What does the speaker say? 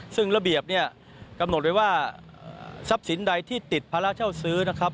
ซึ่งระเบียบเนี่ยกำหนดไว้ว่าทรัพย์สินใดที่ติดภาระเช่าซื้อนะครับ